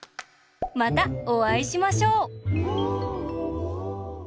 またおあいしましょう！